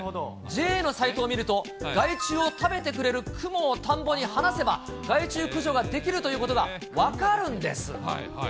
ＪＡのサイトを見ると、害虫を食べてくれるクモを田んぼに放せば、害虫駆除ができるということが分かるんです。